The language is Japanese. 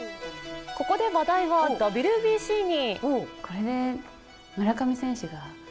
ここで話題はＷＢＣに。